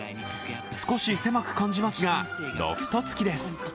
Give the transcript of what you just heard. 少し狭く感じますがロフトつきです。